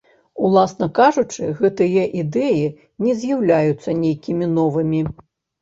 Уласна кажучы, гэтыя ідэі не з'яўляюцца нейкімі новымі.